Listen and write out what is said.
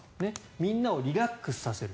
みんなをリラックスさせる。